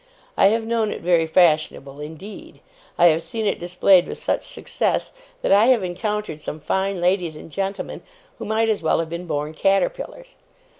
I have known it very fashionable indeed. I have seen it displayed with such success, that I have encountered some fine ladies and gentlemen who might as well have been born caterpillars.